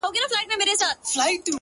اوس ولي نه وايي چي ښار نه پرېږدو،